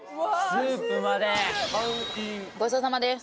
ごちそうさまです。